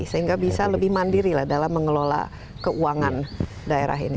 sehingga bisa lebih mandiri lah dalam mengelola keuangan daerah ini